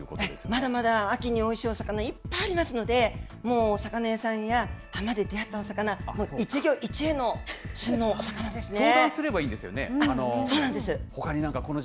まだまだ秋においしいお魚いっぱいありますので、もうお魚屋さんや浜で出会ったお魚、一魚一会のお魚ですね。